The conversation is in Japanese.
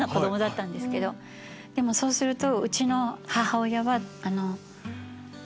でもそうすると。